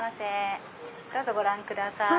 どうぞご覧ください。